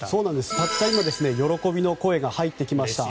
たった今喜びの声が入ってきました。